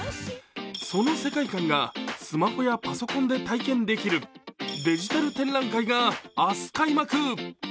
その世界観がスマホやパソコンで体験できるデジタル展覧会が明日開幕。